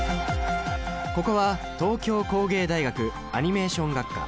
ここは東京工芸大学アニメーション学科。